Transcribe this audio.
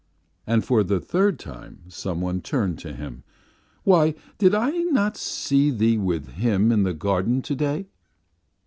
And for the third time someone turned to him: 'Why, did I not see thee with Him in the garden to day?